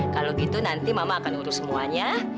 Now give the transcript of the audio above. kalau gitu nanti mama akan urus semuanya